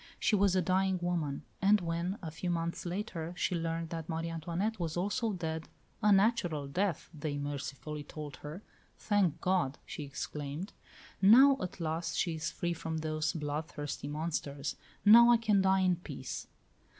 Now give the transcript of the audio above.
She was a dying woman; and when, a few months later, she learned that Marie Antoinette was also dead "a natural death," they mercifully told her "Thank God!" she exclaimed; "now, at last, she is free from those bloodthirsty monsters! Now I can die in peace."